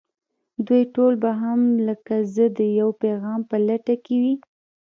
دوی ټول به هم لکه زه د يوه پيغام په لټه کې وي.